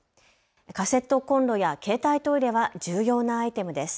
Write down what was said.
カセットコンロや携帯トイレは重要なアイテムです。